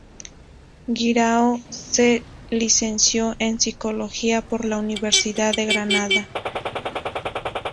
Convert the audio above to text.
Guirao se licenció en Psicología por la Universidad de Granada.